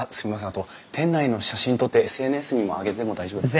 あと店内の写真撮ってＳＮＳにも上げても大丈夫ですか？